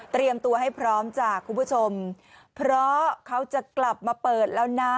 ตัวให้พร้อมจากคุณผู้ชมเพราะเขาจะกลับมาเปิดแล้วนะ